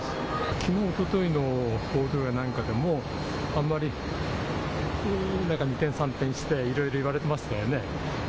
きのう、おとといのあまり二転三転していろいろ言われていましたよね。